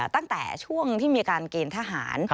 ตั้งแต่ช่วงที่มีการเกณฑ์ทหาร